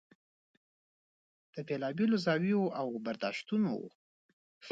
د بېلا بېلو زاویو او برداشتونو و.